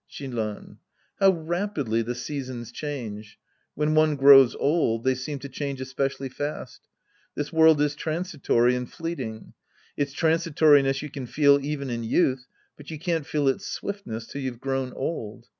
Shinran. How rapidly the seasons change. When one grows old, they seem to change especially fast. Tliis world is transitory and fleeting. Its transitori ness you can feel even in youth, but you can't feel its swiftness till you've grown old.